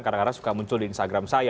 kadang kadang suka muncul di instagram saya